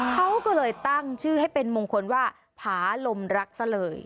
เขาก็เลยตั้งชื่อให้เป็นมงคลว่าผาลมรักซะเลย